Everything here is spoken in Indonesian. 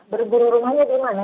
berburu rumahnya di mana